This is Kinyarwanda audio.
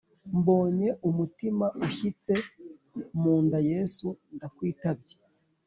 Mbonye umutima ushyitse munda yesu ndakwitabye